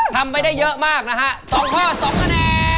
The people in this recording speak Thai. ทำไปได้เยอะมากนะฮะ๒ข้อ๒คะแนน